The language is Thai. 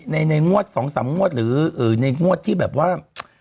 ในงวด๒๓งวดหรือในงวดที่แบบว่า